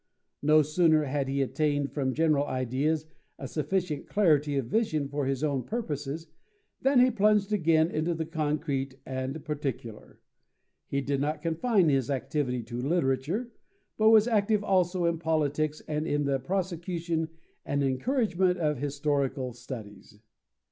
No sooner had he attained from general ideas a sufficient clarity of vision for his own purposes, than he plunged again into the concrete and particular. He did not confine his activity to literature, but was active also in politics and in the prosecution and encouragement of historical studies.